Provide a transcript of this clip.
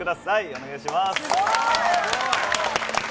お願いします。